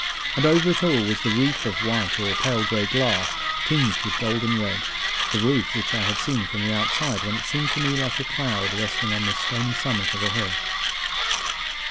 And over it all was the roof of white or pale gray glass tinged with golden red the roof which I had seen from the outside when it seemed to me like a cloud resting on the stony summit of a hill.